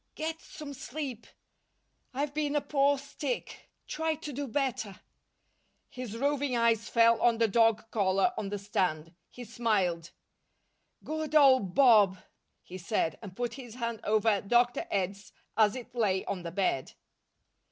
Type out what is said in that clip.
"Get some sleep...I've been a poor stick...try to do better " His roving eyes fell on the dog collar on the stand. He smiled, "Good old Bob!" he said, and put his hand over Dr. Ed's, as it lay on the bed.